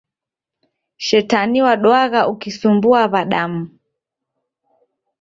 Shetani waduagha ukisumbua w'adamu